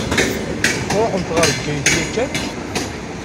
Tṛuḥemt ɣer Bgayet yakan?